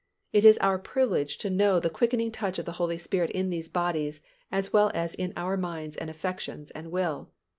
It is our privilege to know the quickening touch of the Holy Spirit in these bodies as well as in our minds and affections and will.